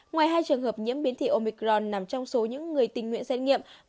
ngoài hai trường hợp nhiễm biến thị omicron nằm trong số những người tình nguyện xét nghiệm